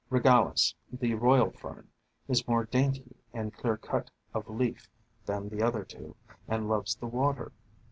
Regalis, the Royal Fern, is more dainty and clear cut of leaf than the other two, and loves the water.